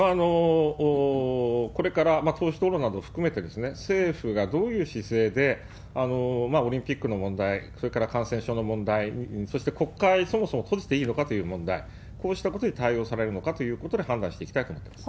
これから党首討論などを含めて、政府がどういう姿勢でオリンピックの問題、それから感染症の問題、そして国会、そもそも閉じていいのかという問題、こうしたことに対応されるのかということで、判断していきたいと思ってます。